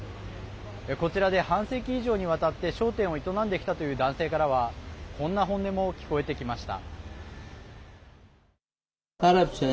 こちらで、半世紀以上にわたって商店を営んできたという男性からはこんな本音も聞こえてきました。